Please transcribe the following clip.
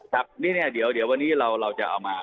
ของเด็กอ่ะ